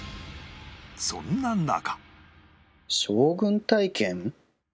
そんな中